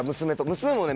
娘もね